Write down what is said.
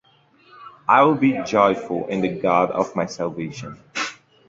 I will be joyful in the God of my salvation!